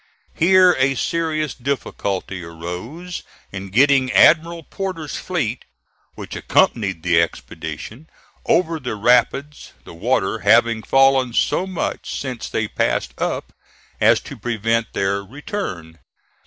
Here a serious difficulty arose in getting Admiral Porter's fleet which accompanied the expedition, over the rapids, the water having fallen so much since they passed up as to prevent their return.